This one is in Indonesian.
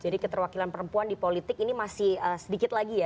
jadi keterwakilan perempuan di politik ini masih sedikit lagi ya